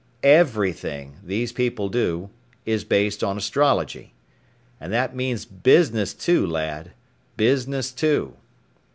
Everything these people do is based on astrology. And that means business too, lad, business too.